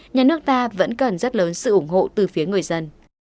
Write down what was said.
nhà nước ta vẫn cần rất lớn sự ủng hộ từ phía người dân